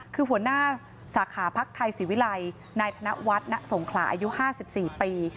คือหัวหน้าสาขาพักไทยศิวิลัยนายธนวัฒนสงขลาอายุ๕๔ปี